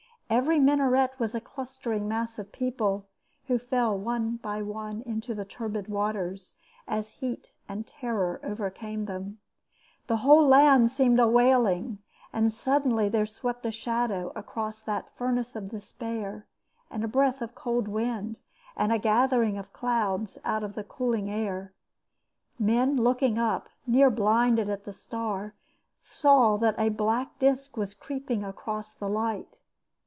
Every minaret was a clustering mass of people, who fell one by one into the turbid waters, as heat and terror overcame them. The whole land seemed a wailing, and suddenly there swept a shadow across that furnace of despair, and a breath of cold wind, and a gathering of clouds, out of the cooling air. Men looking up, near blinded, at the star, saw that a black disc was creeping across the light.